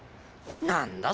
何だ？